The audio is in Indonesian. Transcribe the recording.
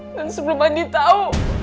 dan sebelum andi tahu